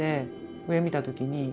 上を見た時に。